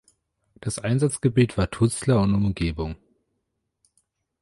Das Einsatzgebiet war Tuzla und Umgebung.